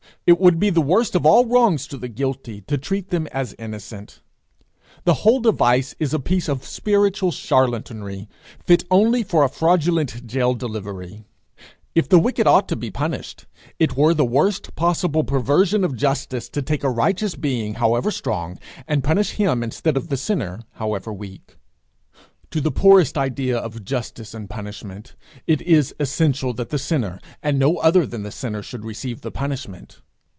It would be the worst of all wrongs to the guilty to treat them as innocent. The whole device is a piece of spiritual charlatanry fit only for a fraudulent jail delivery. If the wicked ought to be punished, it were the worst possible perversion of justice to take a righteous being however strong, and punish him instead of the sinner however weak. To the poorest idea of justice in punishment, it is essential that the sinner, and no other than the sinner, should receive the punishment.